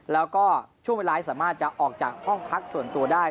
แล้วก็ช่วงเวลาที่สามารถจะออกจากห้องพักส่วนตัวได้